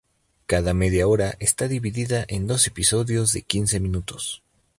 Cada media hora está dividida en dos episodios de quince minutos.